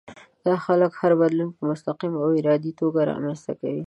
دا خلک هر بدلون په مستقيمه او ارادي توګه رامنځته کوي.